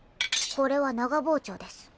これは長包丁です。